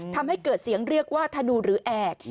ทำให้เกิดเสียงเรียกว่าธนูหรือแอก